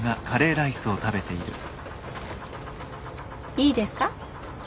いいですか？